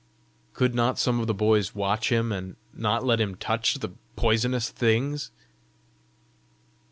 "Could not some of the boys watch him, and not let him touch the poisonous things?"